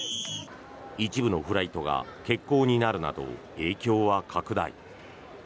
一部のフライトが欠航になるなど影響は拡大。